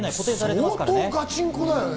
相当ガチンコだよね。